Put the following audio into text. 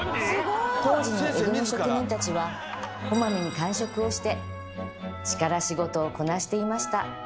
当時の江戸の職人たちはこまめに間食をして力仕事をこなしていました。